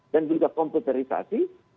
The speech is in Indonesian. dan juga komputerisasi